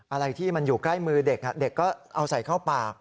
อะไรที่มันอยู่ใกล้มือเด็กเด็กก็เอาใส่เข้าปาก